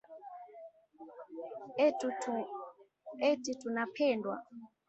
eti tunapendana